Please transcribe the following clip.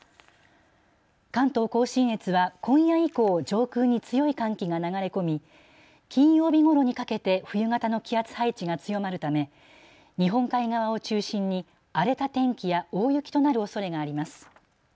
関東甲信越は今夜以降、上空に強い寒気が流れ込み金曜日ごろにかけて冬型の気圧配置が強まるため日本海側を中心に荒れた天気や大雪となるおそれがあります。